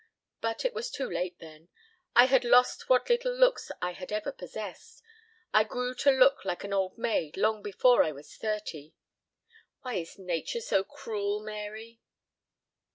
But it was too late then. I had lost what little looks I had ever possessed. I grew to look like an old maid long before I was thirty. Why is nature so cruel, Mary?"